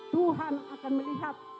tuhan akan melihat